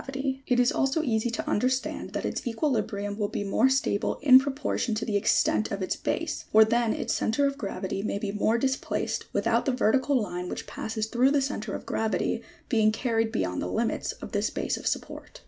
V It is also easy to understand that its equilibrium will be more stable in proportion to the extent of its base ; for then its centre of gravity may be more displaced, without the vertical line which passes through the centre of gravity, being carried beyond the limits of this base of support.